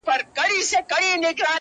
خو له دې بې شرفۍ سره په جنګ یم”